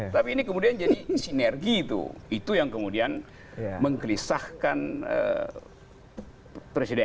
tapi ini kemudian jadi sinergi itu itu yang kemudian menggelisahkan presiden